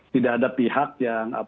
tidak ada pihak yang